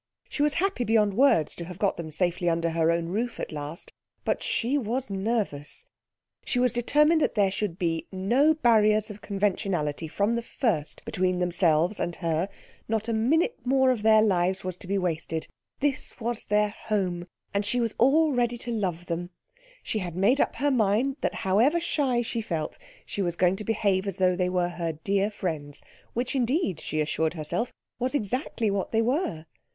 She was happy beyond words to have got them safely under her own roof at last, but she was nervous. She was determined that there should be no barriers of conventionality from the first between themselves and her; not a minute more of their lives was to be wasted; this was their home, and she was all ready to love them; she had made up her mind that however shy she felt she was going to behave as though they were her dear friends which indeed, she assured herself, was exactly what they were.